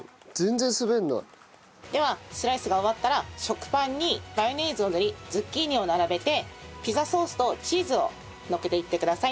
ではスライスが終わったら食パンにマヨネーズを塗りズッキーニを並べてピザソースとチーズをのっけていってください。